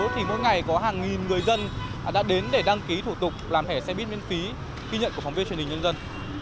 thì mỗi ngày có hàng nghìn người dân đã đến để đăng ký thủ tục làm thẻ xe buýt miễn phí ghi nhận của phóng viên truyền hình nhân dân